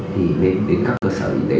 thì nên đến các cơ sở y tế